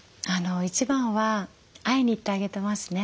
一番は会いに行ってあげてますね。